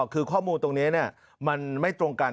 คือข้อมูลตรงนี้มันไม่ตรงกัน